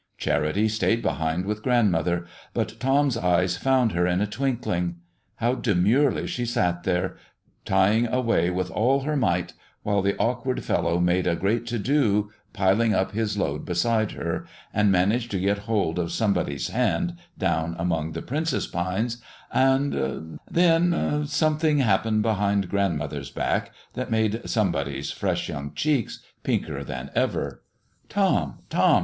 Charity stayed behind with grandmother, but Tom's eyes found her in a twinkling. How demurely she sat there, tying away with all her might, while the awkward fellow made a great to do piling up his load beside her, and managed to get hold of somebody's hand down among the princess pines, and then something happened behind grandmother's back that made somebody's fresh young cheeks pinker than ever. "Tom, Tom!"